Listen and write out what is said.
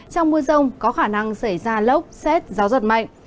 trong mưa rông có khả năng xảy ra lốc xét gió giật mạnh